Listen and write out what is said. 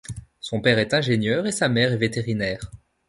Son père est ingénieur et sa mère est vétérinaire.